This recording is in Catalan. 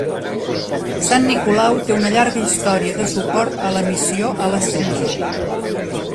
Sant Nicolau té una llarga història de suport a la missió a l'estranger.